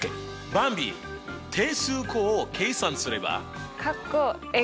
ばんび定数項を計算すれば？